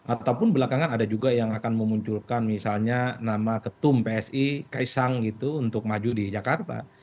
ataupun belakangan ada juga yang akan memunculkan misalnya nama ketum psi kaisang gitu untuk maju di jakarta